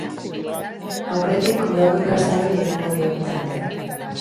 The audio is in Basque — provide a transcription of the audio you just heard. Aurretik, udako ikastaroei egingo diegu tartea.